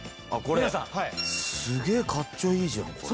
すげえかっちょいいじゃんこれ。